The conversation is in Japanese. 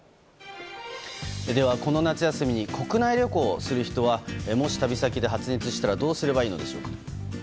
では、この夏休みに国内旅行をする人はもし旅先で発熱したらどうすればいいのでしょうか。